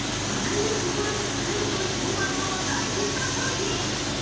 あらゆるところに使えると評判の大ヒット商品。